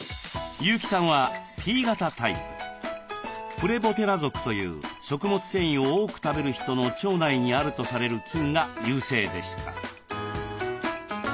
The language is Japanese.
プレボテラ属という食物繊維を多く食べる人の腸内にあるとされる菌が優勢でした。